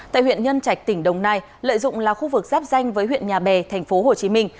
tại huyện nhân trạch tỉnh đồng nai lợi dụng là khu vực giáp danh với huyện nhà bè thành phố hồ chí minh